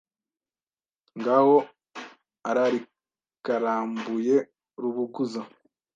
Ngaho ararikarambuye Rubuguza